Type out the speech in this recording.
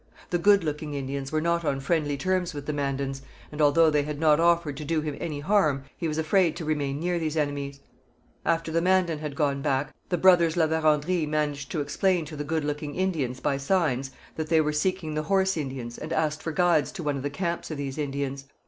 The Good looking Indians were not on friendly terms with the Mandans, and, although they had not offered to do him any harm, he was afraid to remain near these enemies. After the Mandan had gone back, the brothers La Vérendrye managed to explain to the Good looking Indians by signs that they were seeking the Horse Indians and asked for guides to one of the camps of these Indians.